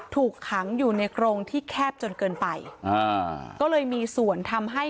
ถูกขังอยู่ในกรงที่แคบจนเกินไปอ่าก็เลยมีส่วนทำให้